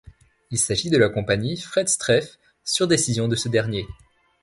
Il s’agit de la compagnie Fred Streiff, sur décision de ce dernier.